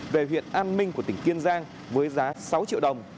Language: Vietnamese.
về huyện an minh của tỉnh kiên giang với giá sáu triệu đồng